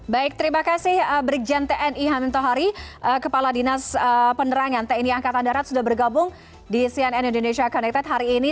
baik terima kasih brigjen tni hamim tohari kepala dinas penerangan tni angkatan darat sudah bergabung di cnn indonesia connected hari ini